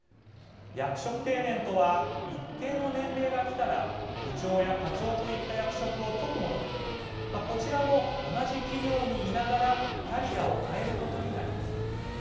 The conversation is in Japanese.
役職定年とは一定の年齢がきたら部長や課長といった役職を解くものでこちらも、同じ企業にいながらキャリアを変えることになります。